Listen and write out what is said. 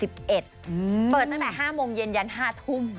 เปิดตั้งแต่๕โมงเย็นยัน๕ทุ่ม